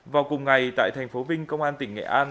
vào cùng ngày tại thành phố vinh công an tỉnh nghệ an